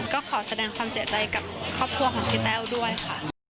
ก็ขอแสดงความเสียใจกับครอบครัวของพี่แต้วด้วยค่ะ